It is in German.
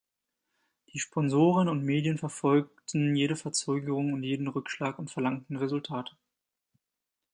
Die Sponsoren und Medien verfolgten jede Verzögerung und jeden Rückschlag und verlangten Resultate.